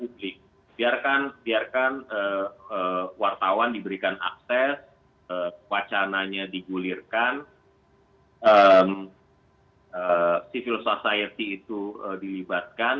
biarkan wartawan diberikan akses wacananya digulirkan civil society itu dilibatkan